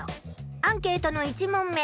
アンケートの１問目。